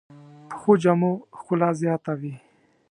پخو جامو ښکلا زیاته وي